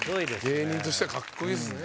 芸人としては格好いいですね。